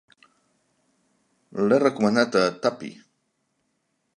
L'he recomanat a Tuppy.